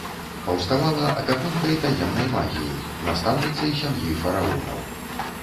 Паўставала апякункай таемнай магіі, настаўніцай сям'і фараонаў.